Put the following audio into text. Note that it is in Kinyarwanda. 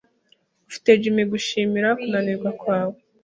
Ufite Jim gushimira kunanirwa kwawe.